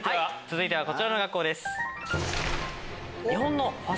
続いてはこちらの学校です。